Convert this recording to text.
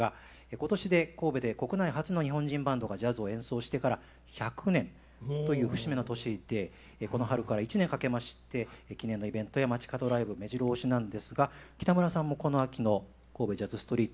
今年で神戸で国内初の日本人バンドがジャズを演奏してから１００年という節目の年でこの春から１年かけまして記念のイベントや街角ライブめじろ押しなんですが北村さんもこの秋の神戸ジャズストリートは。